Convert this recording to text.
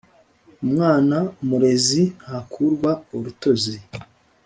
Umwana murezi ntakurwa urutozi